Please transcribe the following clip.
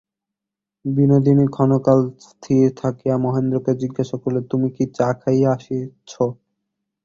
বিনোদিনী ক্ষণকাল স্থির থাকিয়া মহেন্দ্রকে জিজ্ঞাসা করিল, তুমি কি চা খাইয়া আসিয়াছ।